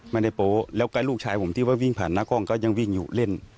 โป๊ะแล้วก็ลูกชายผมที่ว่าวิ่งผ่านหน้ากล้องก็ยังวิ่งอยู่เล่น